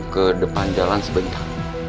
kedepan jalan sebentar